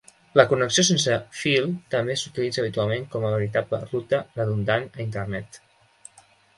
La connexió sense fil també s'utilitza habitualment com a veritable ruta redundant a Internet.